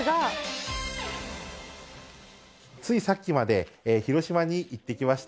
ついさっきまで、広島に行ってきました。